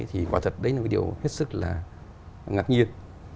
thì quả thật đấy là cái điều hết sức là ngạc nhiên